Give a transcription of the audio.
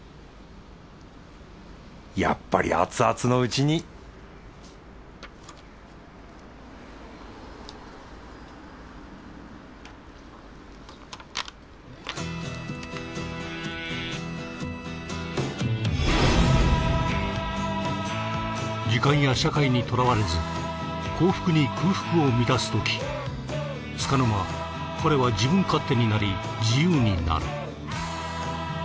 やっぱりアツアツのうちに時間や社会にとらわれず幸福に空腹を満たすときつかの間彼は自分勝手になり自由になる。